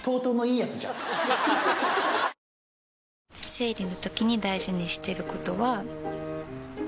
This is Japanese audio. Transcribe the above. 生理のときに大事にしてることは。